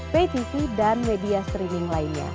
pay tv dan media streaming lainnya